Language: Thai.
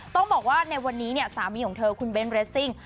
ต้องบอกว่าในวันนี้เนี่ยสามีของเธอคุณเบ้นเรสซิ่ง